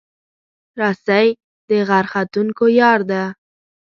رسۍ د غر ختونکو یار ده.